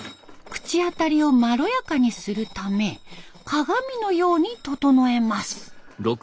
口当たりをまろやかにするため鏡のように整えます。